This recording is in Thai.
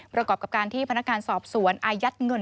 ประกอบกับการที่พนักงานสอบสวนอายัดเงิน